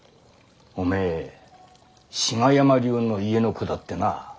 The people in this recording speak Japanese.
おめえ志賀山流の家の子だってな。